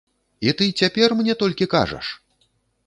І ты цяпер мне толькі кажаш?